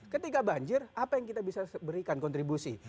ketika banjir apa yang kita bisa berikan kontribusi